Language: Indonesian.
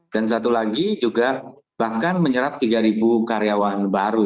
dan satu lagi juga bahkan menyerap tiga karyawan baru